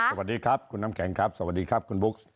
สวัสดีครับคุณน้ำแข็งครับสวัสดีครับคุณบุ๊ค